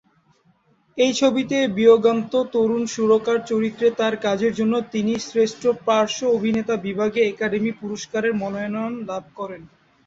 এই ছবিতে বিয়োগান্ত তরুণ সুরকার চরিত্রে তার কাজের জন্য তিনি শ্রেষ্ঠ পার্শ্ব অভিনেতা বিভাগে একাডেমি পুরস্কারের মনোনয়ন লাভ করেন।